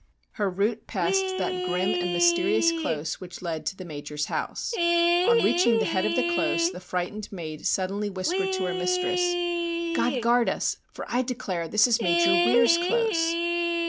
Her route passed that grim and mysterious close which led to the Major's house. On reaching the head of the close the frightened maid suddenly whispered to her mistress :' God guard us, for I declare this is Major Weir's close !